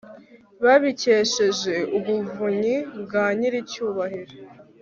babikesheje ubuvunyi bwa nyir'ijuru